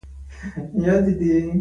انګلیسي د سوداگرۍ ژبه ده